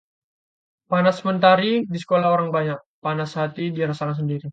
Panas mentari di kepala orang banyak, panas hati dirasa sendiri